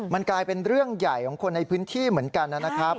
มันกลายเป็นเรื่องใหญ่ของคนในพื้นที่เหมือนกันนะครับ